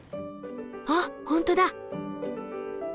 あっ本当だ！